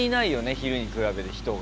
昼に比べて人が。